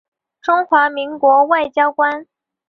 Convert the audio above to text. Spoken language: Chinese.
中华民国外交官。